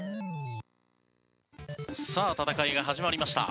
さあ戦いが始まりました。